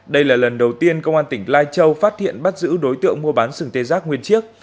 đây là lần đầu tiên công an tỉnh lai châu phát hiện bắt giữ đối tượng mua bán sừng tê giác nguyên chiếc